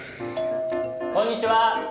・こんにちは！